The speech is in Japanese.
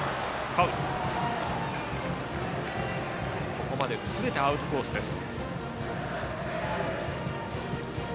ここまですべてアウトコースです。